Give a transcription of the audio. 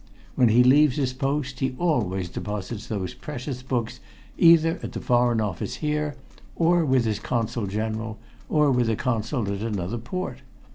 When he leaves his post he always deposits those precious books either at the Foreign Office here or with his Consul General, or with a Consul at another port.